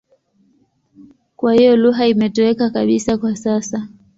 Kwa hiyo lugha imetoweka kabisa kwa sasa.